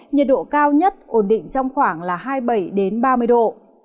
nhiệt độ cao nhất ổn định trong khoảng là hai mươi bảy ba mươi độ